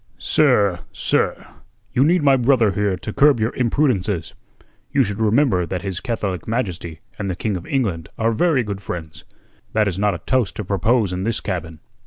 "Sir, sir, you need my brother here to curb your imprudences. You should remember that His Catholic Majesty and the King of England are very good friends. That is not a toast to propose in this cabin.